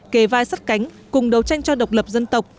kề vai sắt cánh cùng đấu tranh cho độc lập dân tộc